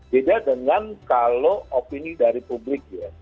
beda dengan kalau opini dari publik ya